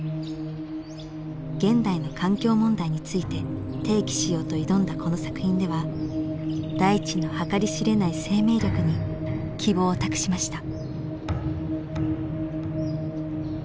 現代の環境問題について提起しようと挑んだこの作品では大地の計り知れない生命力に希望を託しました。